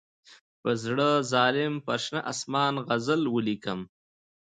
په زړه ظالم پر شنه آسمان غزل ولیکم.